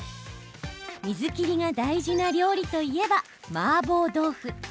水切りが大事な料理といえばマーボー豆腐。